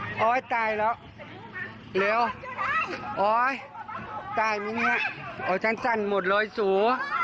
ตายตายแล้วเร็วตายมิเนี่ยฉันสั้นหมดเลยสู